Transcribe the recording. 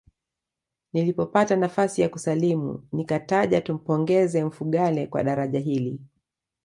Nilipopata nafasi ya kusalimu nikataja tumpongeze Mfugale kwa daraja hili